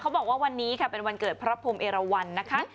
บอกว่าวันนี้ค่ะเป็นวันเกิดพระพรมเอราวันนะคะ